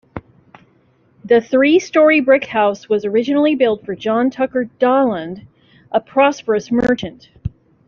The three-story brick house was originally built for John Tucker Daland, a prosperous merchant.